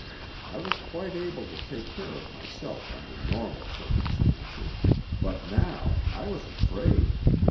I was quite able to take care of myself under normal circumstances. But now I was afraid.